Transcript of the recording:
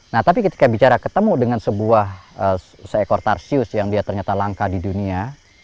nah tapi ketika bicara ketemu dengan sebuah seekor tarsius yang dia ternyata langka di dunia